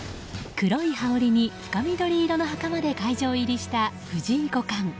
黒い羽織に深緑色のはかまで会場入りした藤井五冠。